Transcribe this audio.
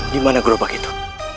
dimana gerobak itu